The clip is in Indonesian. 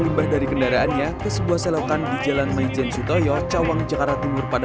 limbah dari kendaraannya ke sebuah selokan di jalan maijen sutoyo cawang jakarta timur pada